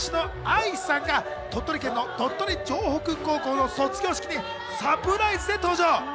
昨日、歌手のＡＩさんが鳥取県の鳥取城北高校の卒業式にサプライズで登場。